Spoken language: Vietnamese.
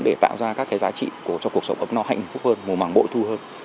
để tạo ra các giá trị cho cuộc sống ấm no hạnh phúc hơn mùa mảng bội thu hơn